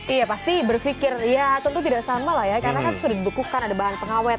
iya pasti berpikir ya tentu tidak sama lah ya karena kan sudah dibekukan ada bahan pengawet